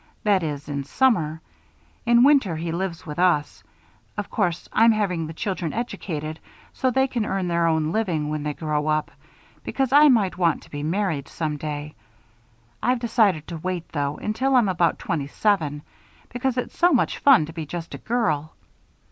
That is, in summer. In winter, he lives with us. Of course I'm having the children educated so they can earn their own living when they grow up, because I might want to be married some day I've decided to wait, though, until I'm about twenty seven, because it's so much fun to be just a girl.